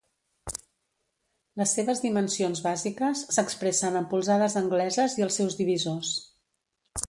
Les seves dimensions bàsiques s'expressen en polzades angleses i els seus divisors.